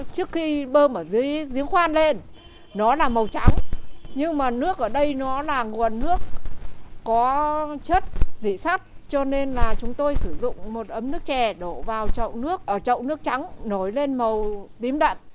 trước khi bơm ở dưới diễn khoan lên nó là màu trắng nhưng mà nước ở đây nó là nguồn nước có chất dị sắt cho nên là chúng tôi sử dụng một ấm nước chè đổ vào trộn nước trắng nổi lên màu tím đặn